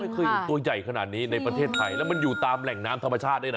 เคยเห็นตัวใหญ่ขนาดนี้ในประเทศไทยแล้วมันอยู่ตามแหล่งน้ำธรรมชาติด้วยนะ